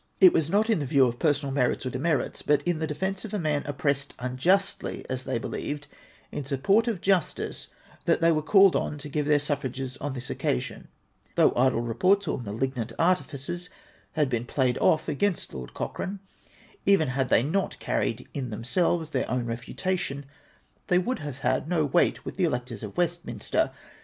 It was not in the view of personal merits or demerits, but in the defence of a man oppressed unjustly, as they believed — in sujDport of justice, that they were called on to give their suffrages on this occasion. Though idle reports or malignant artifices had been played off against Lord Cochrane, even had they not carried in themselves their own refutation, they would have had no weight with the electors of Westminster.